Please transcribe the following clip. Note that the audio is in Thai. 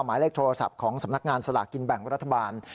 หมายเลขโทรศัพท์ของสำนักงานสลากกินแบ่งรัฐบาล